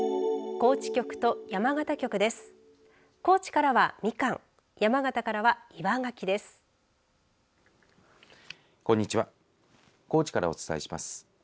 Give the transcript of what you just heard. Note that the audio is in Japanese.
高知からお伝えします。